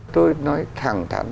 tôi nói thẳng thắn